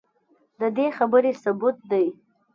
ددې خبرې ثبوت دے